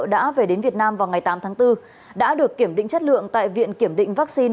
đã về đến việt nam vào ngày tám tháng bốn đã được kiểm định chất lượng tại viện kiểm định vaccine